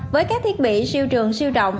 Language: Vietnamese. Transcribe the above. với các thiết bị siêu trường siêu rộng